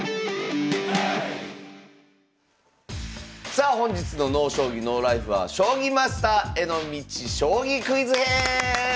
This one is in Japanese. さあ本日の「ＮＯ将棋ＮＯＬＩＦＥ」は「将棋マスターへの道将棋クイズ編」！